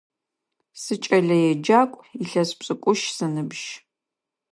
Сыкӏэлэеджакӏу, илъэс пшӏыкӏущ сыныбжь.